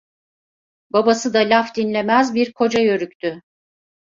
Babası da laf dinlemez bir koca yörüktü.